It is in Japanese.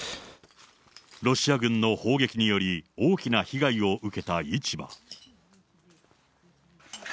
ロシア軍の砲撃により、大きな被害を受けた市場。